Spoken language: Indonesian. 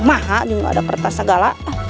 maha juga ada kertas segala